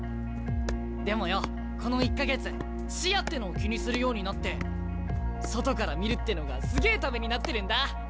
でもよこの１か月視野ってのを気にするようになって外から見るってのがすげえためになってるんだ。